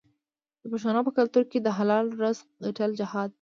د پښتنو په کلتور کې د حلال رزق ګټل جهاد دی.